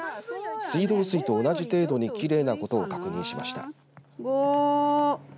水道水と同じ程度にきれいなことを確認しました。